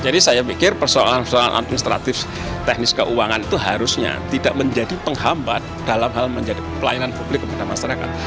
jadi saya pikir persoalan persoalan administratif teknis keuangan itu harusnya tidak menjadi penghambat dalam hal menjadi pelayanan publik kepada masyarakat